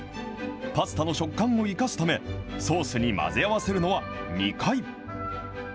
パスタの食感を生かすため、ソースに混ぜ合わせるのは２回。